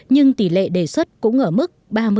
nhưng tỷ lệ đề xuất cũng ở mức